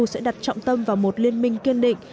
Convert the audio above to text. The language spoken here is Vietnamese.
sẽ đặt trọng tâm vào một liên minh kiên định